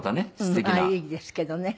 いいですけどね。